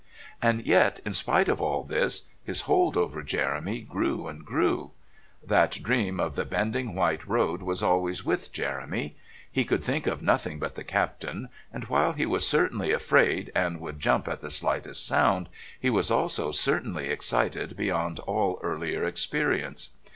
And yet, in spite of all this, his hold over Jeremy grew and grew. That dream of the bending white road was always with Jeremy. He could think of nothing but the Captain, and while he was certainly afraid and would jump at the slightest sound, he was also certainly excited beyond all earlier experience.